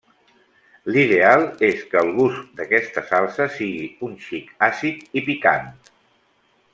L'ideal és que el gust d'aquesta salsa sigui un xic àcid i picant.